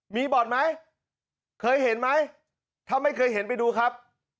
มีบ่อนไหมเคยเห็นไหมถ้าไม่เคยเห็นไปดูครับ